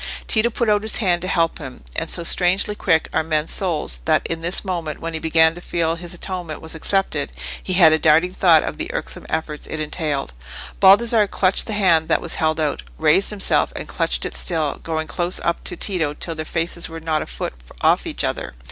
Tito put out his hand to help him, and so strangely quick are men's souls that in this moment, when he began to feel his atonement was accepted, he had a darting thought of the irksome efforts it entailed. Baldassarre clutched the hand that was held out, raised himself and clutched it still, going close up to Tito till their faces were not a foot off each other.